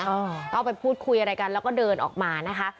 เอาไปพูดคุยอะไรกันแล้วก็เดินออกมานะคะ